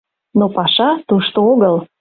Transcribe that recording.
Но паша тушто огыл.